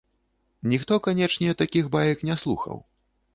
Ніхто, канечне, такіх баек не слухаў.